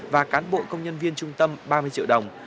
và cán bộ công nhân viên trung tâm ba mươi triệu đồng